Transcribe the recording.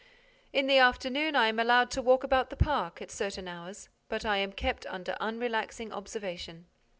In the afternoon, I am allowed to walk about the park, at certain hours, but I am kept under unrelaxing observation.